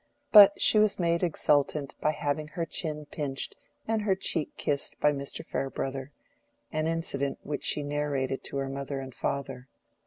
But she was made exultant by having her chin pinched and her cheek kissed by Mr. Farebrother—an incident which she narrated to her mother and father.